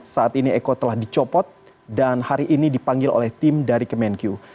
setelah dicopot dan hari ini dipanggil oleh tim dari kemenku